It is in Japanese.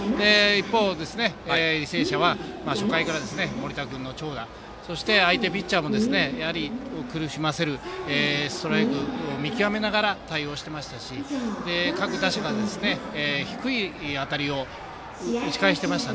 一方、履正社は初回から、森田君の長打相手ピッチャーのストライク見極めながら対応していましたし各打者が低い当たりを打ち返していました。